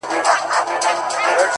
o مجرم د غلا خبري پټي ساتي،